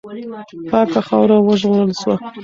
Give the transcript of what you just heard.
پاکه خاوره وژغورل سوه.